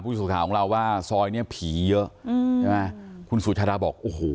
สื่อข่าวของเราว่าซอยเนี้ยผีเยอะอืมใช่ไหมคุณสุชาดาบอกโอ้โห